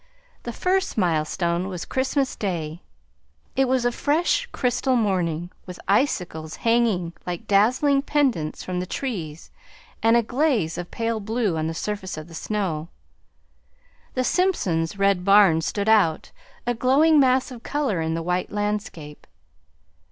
The first milestone was Christmas Day. It was a fresh, crystal morning, with icicles hanging like dazzling pendants from the trees and a glaze of pale blue on the surface of the snow. The Simpsons' red barn stood out, a glowing mass of color in the white landscape.